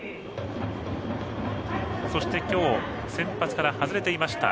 そして今日は先発から外れていました